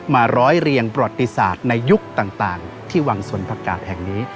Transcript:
ร้อยเรียงประวัติศาสตร์ในยุคต่างที่วังสวนผักกาศแห่งนี้